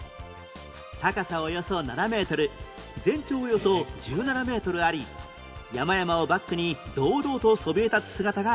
高さおよそ７メートル全長およそ１７メートルあり山々をバックに堂々とそびえ立つ姿が人気